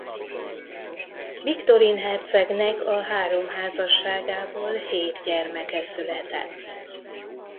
Viktorin hercegnek a három házasságából hét gyermeke született.